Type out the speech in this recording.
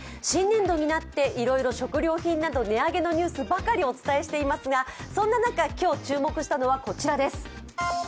新年度になっていろいろ食料品など値上げのニュースばかりお伝えしていますが、そんな中、今日注目したのはこちらです。